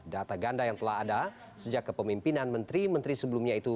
data ganda yang telah ada sejak kepemimpinan menteri menteri sebelumnya itu